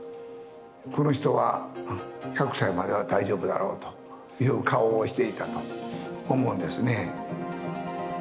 この人は１００歳までは大丈夫だろうという顔をしていたと思うんですね。